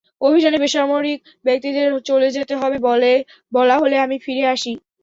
অভিযানে বেসামরিক ব্যক্তিদের চলে যেতে হবে বলা হলে আমি ফিরে আসি।